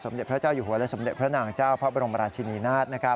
เด็จพระเจ้าอยู่หัวและสมเด็จพระนางเจ้าพระบรมราชินีนาฏ